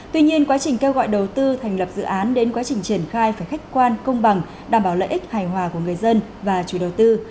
tuy nhiên quá trình kêu gọi đầu tư thành lập dự án đến quá trình triển khai phải khách quan công bằng đảm bảo lợi ích hài hòa của người dân và chủ đầu tư